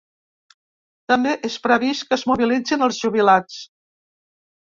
També és previst que es mobilitzin els jubilats.